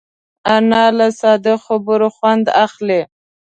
انا له ساده خبرو خوند اخلي